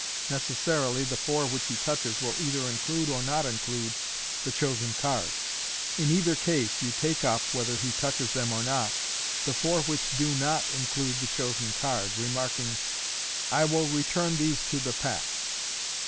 Necessarily, the four which he touches will either include or not include the chosen card. In either case you take up (whether he touches them or not) the four which do not include the chosen card, remarking, " I will return these to the pack."